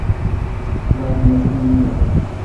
باڑ مݭ نیند ییل۔